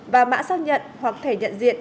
và mã xác nhận hoặc thể nhận diện